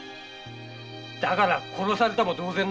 だから殺されたも同然なんだよ。